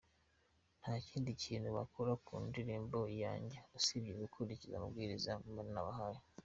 Nta kindi kintu bakora ku ndirimbo yanjye usibye gukurikiza amabwiriza mba nabahaye.